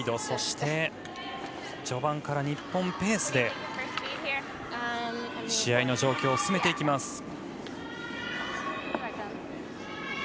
そして序盤から日本ペースで試合の状況を進めていきます。